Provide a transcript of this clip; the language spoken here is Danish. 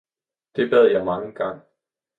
det bad jeg mangen gang